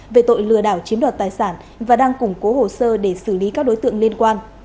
về tội lừa đảo chiếm đoạt tài sản và đang củng cố hồ sơ để xử lý các đối tượng liên quan